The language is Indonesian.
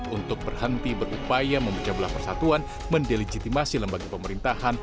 untuk berhenti berupaya memecah belah persatuan mendelegitimasi lembaga pemerintahan